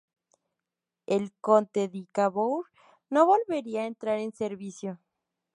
El "Conte di Cavour" no volvería a entrar en servicio.